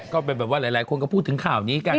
ก็เป็นแบบว่าหลายคนก็พูดถึงข่าวนี้กัน